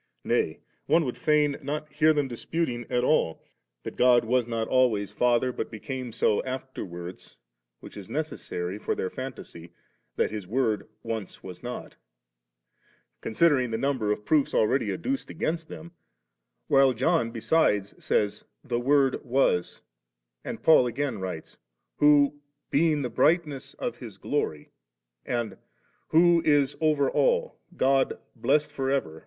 Nay, one would fidn not hear them disputing at all, that God was not alwrnjis * Ik iker. ft, I Digitized by Google DISCOURSE 1. 321 Father, but became so afterwards (which is necessary for their fantasy, that His Word once was not)> considering the number of the proofs ahready adduced against them; while John besides sajrs, * The Word was^/ and Paul again writes, * Who being the brightness of His glory •,' and, * Who is over all, God blessed forever.